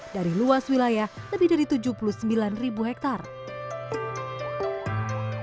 dari luas wilayah lebih dari tujuh puluh sembilan ribu hektare